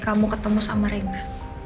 kamu ketemu sama rega